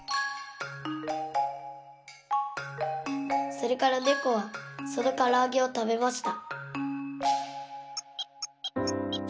それからねこはそのからあげをたべました。